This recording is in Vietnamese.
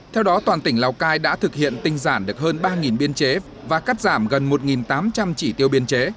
theo đó toàn tỉnh lào cai đã thực hiện tinh giản được hơn ba biên chế và cắt giảm gần một tám trăm linh chỉ tiêu biên chế